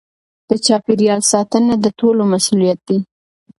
د چاپیریال ساتنه د ټولو مسؤلیت دی.